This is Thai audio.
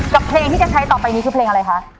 เพลงที่จะใช้ต่อไปนี้คือเพลงอะไรคะ